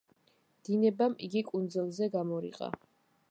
დინებამ იგი კუნძულზე გამორიყა.